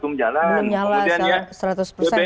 kemudian ya bbm juga mungkin baru besok ya